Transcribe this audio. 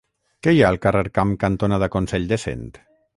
Què hi ha al carrer Camp cantonada Consell de Cent?